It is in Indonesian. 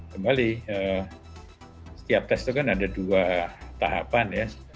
kembali setiap tes itu kan ada dua tahapan ya